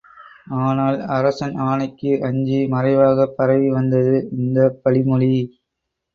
ஆனால் அரசன் ஆணைக்கு அஞ்சி மறைவாகப் பரவிவந்தது இந்தப் பழிமொழி.